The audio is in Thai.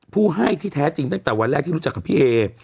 ผู้ให้ที่แท้จริงตั้งแต่วันแรกที่รู้จักกับพี่เอ